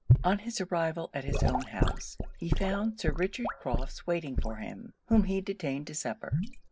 On his arrival at his own house, he found Sir Richard Crofts waiting for him, whom he detained to supper.